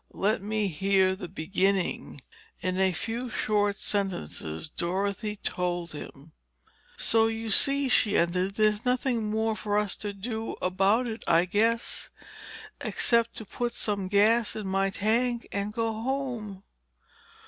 Let me hear the beginning." In a few short sentences, Dorothy told him. "So you see," she ended. "There's nothing more for us to do about it, I guess, except to put some gas in my tank, and go home."